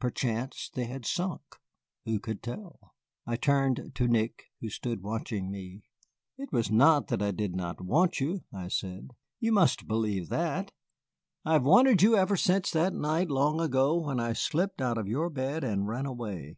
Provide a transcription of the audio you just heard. Perchance they had sunk, who could tell? I turned to Nick, who stood watching me. "It was not that I did not want you," I said, "you must believe that. I have wanted you ever since that night long ago when I slipped out of your bed and ran away.